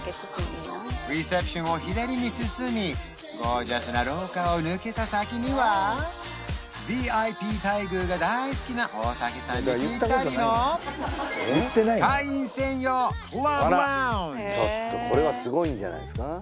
レセプションを左に進みゴージャスな廊下を抜けた先にはＶＩＰ待遇が大好きな大竹さんにピッタリのちょっとこれはすごいんじゃないんですか